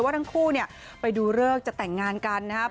ว่าทั้งคู่ไปดูเริกจะแต่งงานกันนะครับ